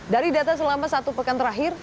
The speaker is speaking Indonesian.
dari data selama satu pekan terakhir